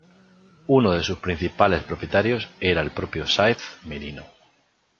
Uno de sus principales propietarios era el propio Sáez Merino.